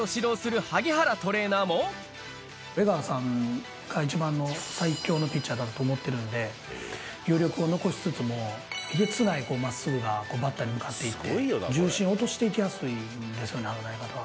江川さんが一番の、最強のピッチャーだと思ってるので、余力を残しつつも、えげつないまっすぐな、バッターに向かっていって、重心を落としていきやすいんですよね、あの投げ方は。